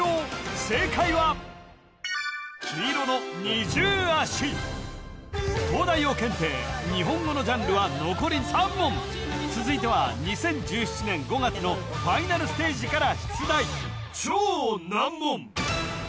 正解は黄色の東大王検定日本語のジャンルは残り３問続いては２０１７年５月のファイナルステージから出題超難問